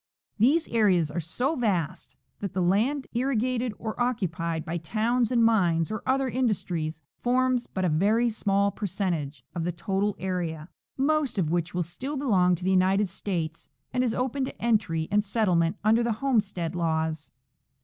These areas are so vast that the land irrigated or occupied by towns and mines or other industries forms but a very small percentage of the total area, most of which still be longs to the United States and is open to entry and settlement under the homestead laws.